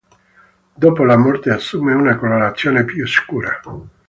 Dopo la morte assume una colorazione più scura.